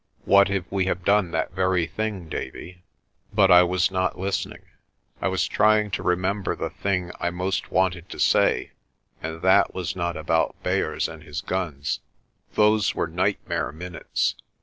What if we have done that very thing, Davie?" But I was not listening. I was trying to remember the thing I most wanted to say, and that was not about Beyers and his guns. Those were nightmare minutes.